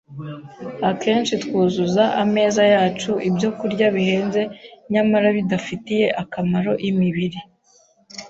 Akenshi twuzuza ameza yacu ibyokurya bihenze nyamara bidafitiye akamaro imibiri